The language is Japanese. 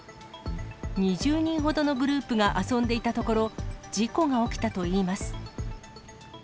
２０人ほどのグループが遊んでいたところ、事故が起きたといいます。